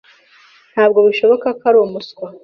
Ntabwo bishoboka ko ari umuswa.